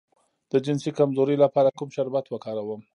د جنسي کمزوری لپاره کوم شربت وکاروم؟